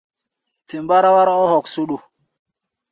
Tɛ mbáráwárá ɔ́ hoksoɗo.